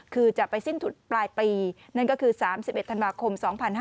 คือจะไปสิ้นสุดปลายปีนั่นก็คือ๓๑ธันวาคม๒๕๕๙